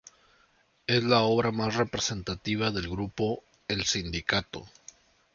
Es la obra más representativa del grupo "El Sindicato".